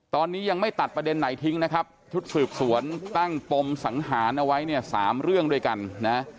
ตอนนี้ยังไม่ตัดประเด็นไหนทิ้งนะครับชุดสืบสวนตั้งปมสังหารเอาไว้เนี่ย๓เรื่องด้วยกันนะ